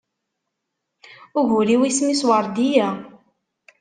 Ugur-iw isem-is Werdiya.